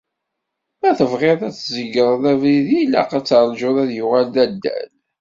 Ma tebɣiḍ ad tzegreḍ abrid ilaq ad terjuḍ ad yuɣal d adal.